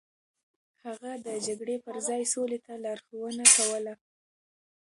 هغه د جګړې پر ځای سولې ته لارښوونه کوله.